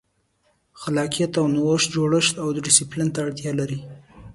خلاقیت او نوښت جوړښت او ډیسپلین ته اړتیا لري.